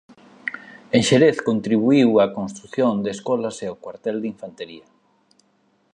En Xerez contribuíu a construción de escolas e o cuartel de infantería.